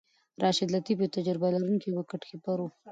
راشد لطيف یو تجربه لرونکی وکټ کیپر وو.